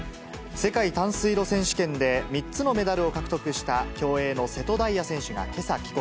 世界短水路選手権で３つのメダルを獲得した、競泳の瀬戸大也選手がけさ帰国。